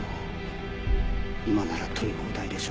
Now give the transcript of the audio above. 今なら取り放題でしょ？